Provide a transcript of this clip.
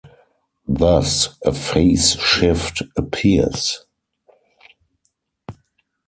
Thus, a phase-shift appears.